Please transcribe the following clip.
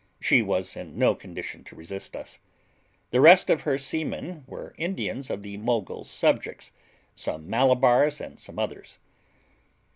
She was in no condition to resist us. The rest of her seamen were Indians of the Mogul's subjects, some Malabars and some others.